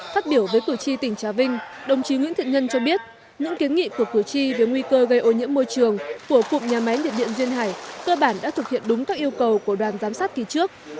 phát biểu với cử tri tỉnh trà vinh đồng chí nguyễn thiện nhân cho biết những kiến nghị của cử tri về nguy cơ gây ô nhiễm môi trường của cụm nhà máy nhiệt điện duyên hải cơ bản đã thực hiện đúng các yêu cầu của đoàn giám sát kỳ trước